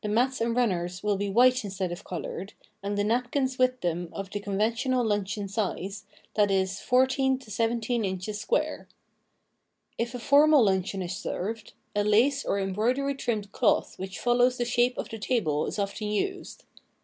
[3i] be white instead of colored, and the napkins with them of the conventional luncheon size, that is, four teen to seventeen inches square. If a formal luncheon is served, a lace or em broidery trimmed cloth which follows the shape of the table is often used.